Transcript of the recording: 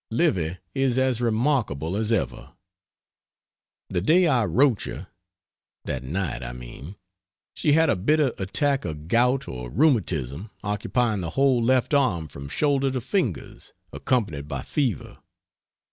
Livy is as remarkable as ever. The day I wrote you that night, I mean she had a bitter attack of gout or rheumatism occupying the whole left arm from shoulder to fingers, accompanied by fever.